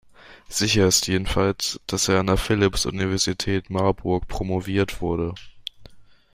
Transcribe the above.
Sicher ist jedenfalls, dass er an der Philipps-Universität Marburg promoviert wurde.